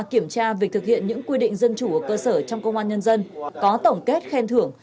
kiểm tra việc thực hiện những quy định dân chủ ở cơ sở trong công an nhân dân có tổng kết khen thưởng